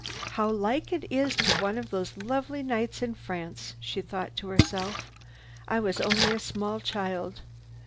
"How like it is to one of those lovely nights in France," she thought to herself. "I was only a small child.